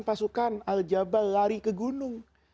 pasukan pasukan al jabbal lari ke gunung